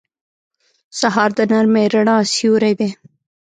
سهار د نرمې رڼا سیوری دی.